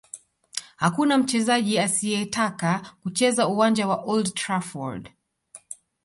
Hakuna mchezaji asiyetaka kucheza uwanja wa Old Trafford